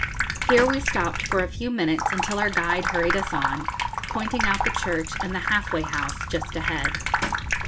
Here we stopped for a few minutes until our guide hurried us on, pointing out the church and the 'Half way House' just ahead.